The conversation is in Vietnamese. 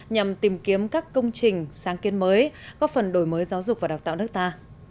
nhằm tìm kiếm các công trình sáng kiến mới góp phần đổi mới giáo dục và đào tạo nước ta